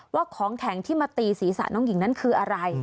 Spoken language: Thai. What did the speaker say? ของแข็งที่มาตีศีรษะน้องหญิงนั้นคืออะไร